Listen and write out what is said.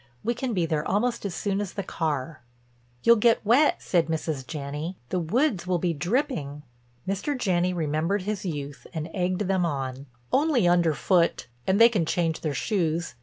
We can be there almost as soon as the car." "You'll get wet," said Mrs. Janney, "the woods will be dripping." Mr. Janney remembered his youth and egged them on: "Only underfoot and they can change their shoes.